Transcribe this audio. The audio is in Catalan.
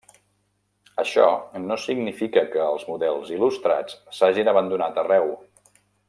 Això no significa que els models il·lustrats s'hagin abandonat arreu.